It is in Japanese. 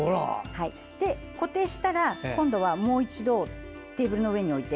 固定したら、今度はもう一度テーブルの上に置いて。